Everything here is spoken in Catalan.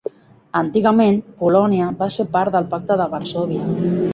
Antigament, Polònia va ser part del Pacte de Varsòvia.